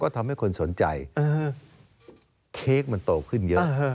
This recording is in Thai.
ทำให้คนสนใจเค้กมันโตขึ้นเยอะ